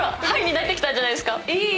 ハイになってきたんじゃないですか？